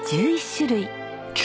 １１種類！